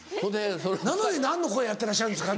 なのに「何の声やってらっしゃるんですか？」。